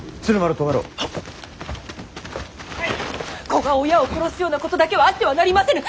子が親を殺すようなことだけはあってはなりませぬ！